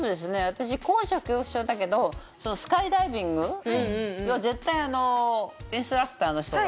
私高所恐怖症だけどスカイダイビングは絶対インストラクターの人が。